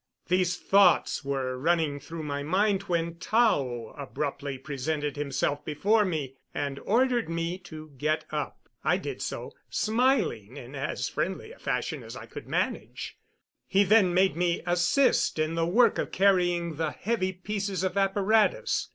These thoughts were running through my mind when Tao abruptly presented himself before me and ordered me to get up. I did so, smiling in as friendly a fashion as I could manage. He then made me assist in the work of carrying the heavy pieces of apparatus.